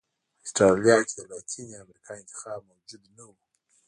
په اسټرالیا کې د لاتینې امریکا انتخاب موجود نه و.